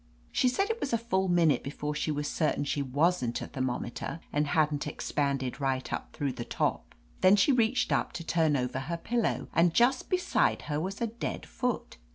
She said it was a full minute before she was certain she wasn't a thermometer and hadn't expanded right up through the top. Then she reached up to turn over her pillow, and just beside her was a dead foot.